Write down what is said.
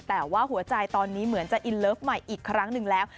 แต่ว่าหัวใจตอนนี้เหมือนจะอินเลิฟใหม่อีกครั้งหนึ่งแล้ว